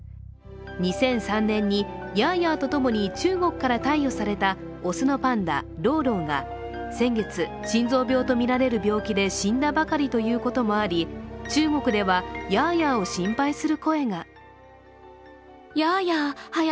２００３年にヤーヤーと共に中国から貸与された雄のパンダ、ローローが先月、心臓病とみられる病気で死んだばかりということもあり、中国ではヤーヤーを心配する声が。